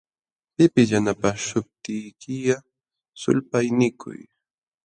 Pipis yanapaśhuptiykiqa, sulpaynikuy.